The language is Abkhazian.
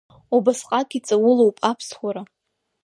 Убасҟак иҵаулоуп Аԥсуара!